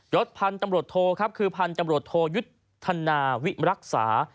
ยศภัณฑ์จำรวจโทคือภัณฑ์จำรวจโทยุทธนาวิรักษา